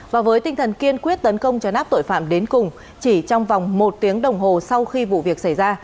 và với tinh thần kiên quyết tấn công chấn áp tội phạm đến cùng chỉ trong vòng một tiếng đồng hồ sau khi vụ việc xảy ra